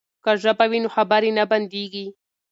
که ژبه وي نو خبرې نه بندیږي.